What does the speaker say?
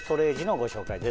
ご紹介です。